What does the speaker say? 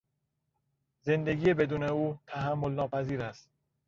زندگی بدون او، تحملناپذیر است.